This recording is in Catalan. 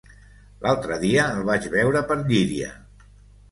L'altre dia el vaig veure per Llíria.